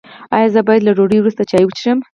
ایا زه باید له ډوډۍ وروسته چای وڅښم؟